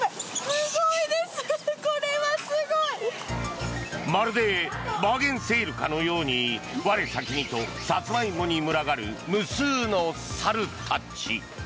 すごいです、これはすごい。まるでバーゲンセールかのように我先にとサツマイモに群がる無数の猿たち。